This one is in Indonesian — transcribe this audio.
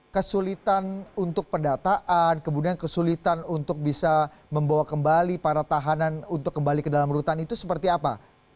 kesulitan untuk pendataan kemudian kesulitan untuk bisa membawa kembali para tahanan untuk kembali ke dalam rutan itu seperti apa